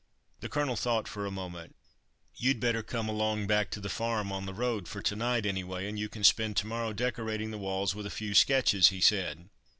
The Colonel thought for a moment: "You'd better come along back to the farm on the road for to night anyway, and you can spend to morrow decorating the walls with a few sketches," he said.